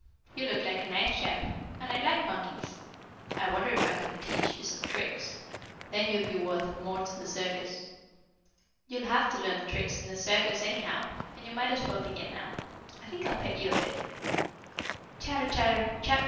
You look like a nice chap, and I like monkeys. I wonder if I couldn't teach you some tricks. Then you'd be worth more to the circus. You'll have to learn tricks in the circus, anyhow, and you might as well begin now. I think I'll pet you a bit." "Chatter! Chatter! Chat!